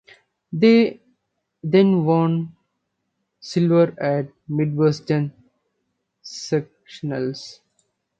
They then won silver at Midwestern Sectionals.